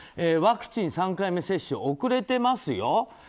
ワクチン３回目接種遅れてますよ。